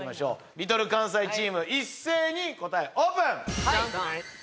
Ｌｉｌかんさいチーム一斉に答えオープン！